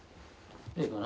ええかな？